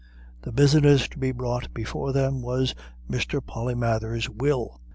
The business to be brought before them was Mr. Polymathers's Will.